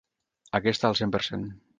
Aquesta al cent per cent.